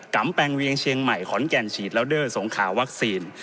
ำแปลงเวียงเชียงใหม่ขอนแก่นฉีดแล้วเดอร์สงขาวัคซีน